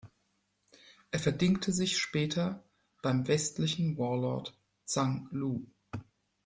Er verdingte sich später beim westlichen Warlord Zhang Lu.